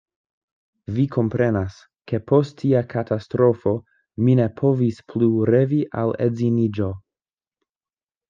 Vi komprenas, ke post tia katastrofo mi ne povis plu revi al edziniĝo.